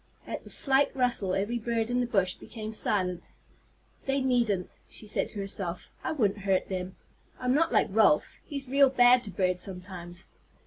At the slight rustle every bird in the bush became silent. "They needn't," she said to herself. "I wouldn't hurt them. I'm not like Ralph. He's real bad to birds sometimes.